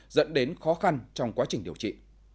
dẫn đến khó khăn trong quá trình điều trị